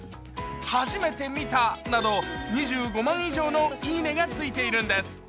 初めて見たなど、２５万以上のいいねがついているんです。